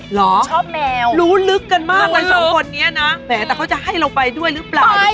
เหรอรู้ลึกกันมากกัน๒คนนี้นะแต่เขาจะให้เราไปด้วยหรือเปล่า